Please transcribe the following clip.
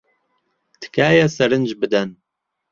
تکایە سەرنج بدەن.